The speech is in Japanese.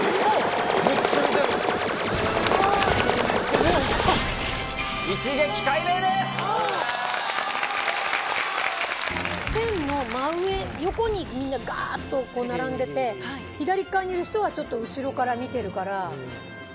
これを見れば線の真上横にみんなガっと並んでて左側にいる人はちょっと後ろから見てるから。